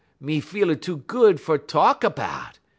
me feel a too good fer tahlk 'bout.